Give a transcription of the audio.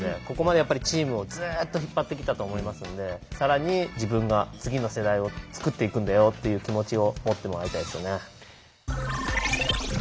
ここまでやっぱりチームをずっと引っ張ってきたと思いますんで更に自分が次の世代を作っていくんだよっていう気持ちを持ってもらいたいですよね。